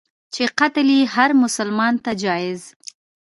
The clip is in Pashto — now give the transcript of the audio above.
چي قتل یې هرمسلمان ته جایز.